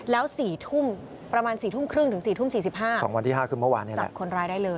แล้วประมาณ๔ทุ่มครึ่งถึง๔ทุ่ม๔๕จับคนร้ายได้เลย